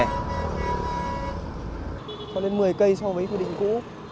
có lên một mươi km so với quy định cũ